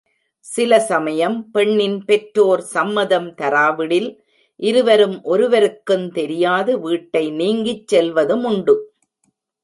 சில சமயம் பெண்ணின் பெற்றோர் சம்மதம் தராவிடில், இருவரும் ஒருவருக்குந் தெரியாது வீட்டை நீங்கிச் செல்வதுமுண்டு.